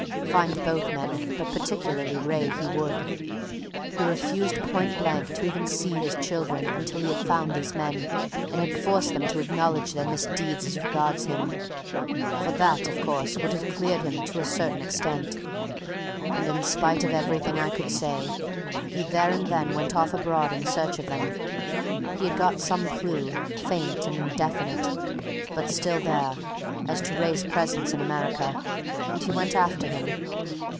Find both men, but particularly Wraye, he would! He refused point blank to even see his children until he had found these men and had forced them to acknowledge their misdeeds as regards him, for that, of course, would have cleared him to a certain extent. And in spite of everything I could say, he there and then went off abroad in search of them he had got some clue, faint and indefinite, but still there, as to Wraye's presence in America, and he went after him.